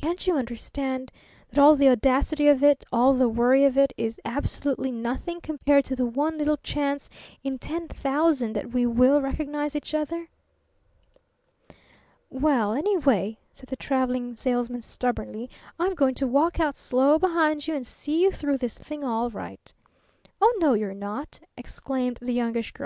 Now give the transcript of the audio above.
can't you understand? that all the audacity of it, all the worry of it is absolutely nothing compared to the one little chance in ten thousand that we will recognize each other?" "Well, anyway," said the Traveling Salesman stubbornly, "I'm going to walk out slow behind you and see you through this thing all right." "Oh, no, you're not!" exclaimed the Youngish Girl.